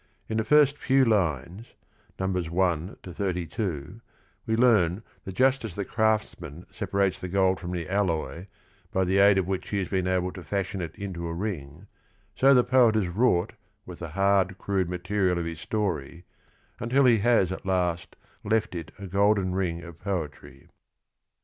In the first few lines (1 32) we learn that just as the craftsman separates the gold from the alloy, by the aid of which he has been able to fashion it into a ring, so the poet has wrought with the hard crude material of his story until he has, at last, left it a golden ring of poetry.